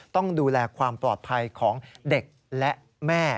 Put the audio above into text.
ต้องดูแลความปลอดภัยของเด็กและแม่